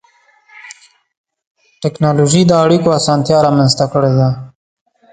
ټکنالوجي د اړیکو اسانتیا رامنځته کړې ده.